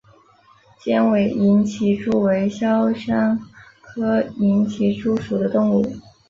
尖尾银鳞蛛为肖峭科银鳞蛛属的动物。